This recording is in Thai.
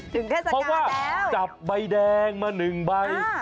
เพราะว่าจับใบแดงมา๑ใบ